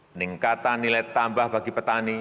peningkatan nilai tambah bagi petani